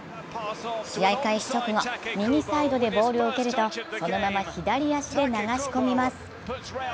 試合開始直後、右サイドでボールを受けるとそのまま左足で流し込みます。